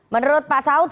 menurut pak saud